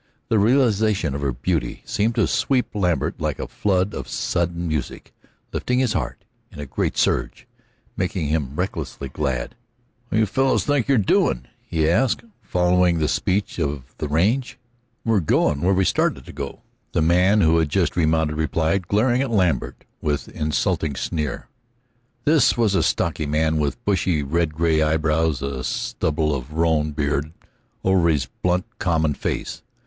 The realization of her beauty seemed to sweep Lambert like a flood of sudden music, lifting his heart in a great surge, making him recklessly glad. "Where do you fellers think you're goin'?" he asked, following the speech of the range. "We're goin' where we started to go," the man who had just remounted replied, glaring at Lambert with insulting sneer. This was a stocky man with bushy red gray eyebrows, a stubble of roan beard over his blunt, common face.